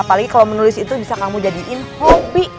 apalagi kalau menulis itu bisa kamu jadiin hopi